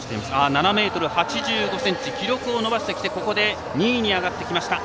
７ｍ８５ｃｍ記録を伸ばしてきてここで２位に上がってきました。